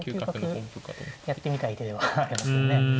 ５九角やってみたい手ではありますよね。